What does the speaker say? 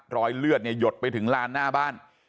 รอยเลือดเนี่ยหยดไปถึงลานหน้าบ้าน